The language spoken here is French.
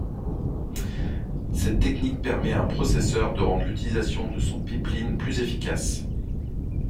Cette technique permet à un processeur de rendre l'utilisation de son pipeline plus efficace.